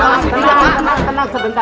tenang sebentar sebentar